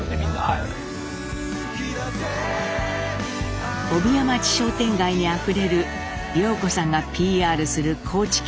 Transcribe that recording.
帯屋町商店街にあふれる涼子さんがＰＲする高知県のポスター。